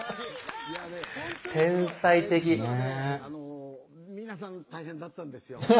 あの皆さん大変だったんですよ。